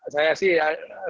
saya sih ya